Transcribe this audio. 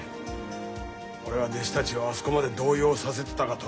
俺は弟子たちをあそこまで動揺させてたかと恥ずかしかった。